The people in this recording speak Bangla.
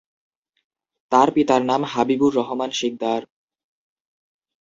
তার পিতার নাম হাবিবুর রহমান সিকদার।